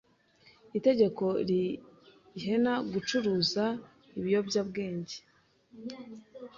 itegeko rihene gucuruze ibiyobyebwenge